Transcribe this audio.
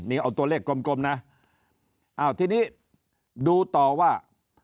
นี่เอาตัวเลขกลมกลมนะอ้าวทีนี้ดูต่อว่า